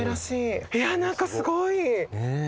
何かすごい。ねえ。